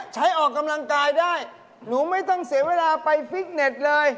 ใช้ออกกำลังกายได้หนูไม่ต้องเสียเวลาไปฟิตเน็ตเลย